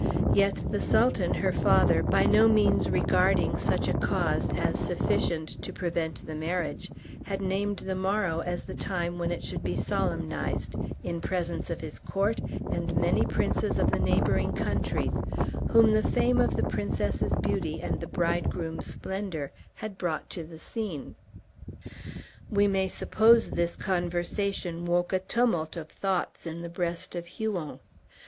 Yet the Sultan, her father, by no means regarding such a cause as sufficient to prevent the marriage, had named the morrow as the time when it should be solemnized, in presence of his court and many princes of the neighboring countries, whom the fame of the princess's beauty and the bridegroom's splendor had brought to the scene." We may suppose this conversation woke a tumult of thoughts in the breast of Huon.